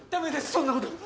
そんなこと！